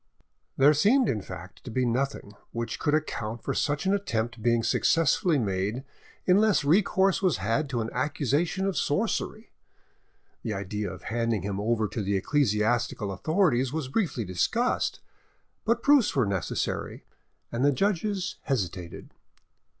There seemed, in fact, to be nothing which could account for such an attempt being successfully made unless recourse was had to an accusation of sorcery. The idea of handing him over to the ecclesiastical authorities was briefly discussed, but proofs were necessary, and the judges hesitated.